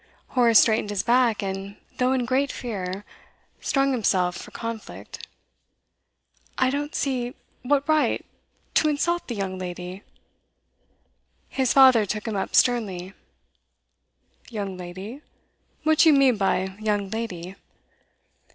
Horace straightened his back, and, though in great fear, strung himself for conflict. 'I don't see what right to insult the young lady.' His father took him up sternly. 'Young lady? What do you mean by "young lady"?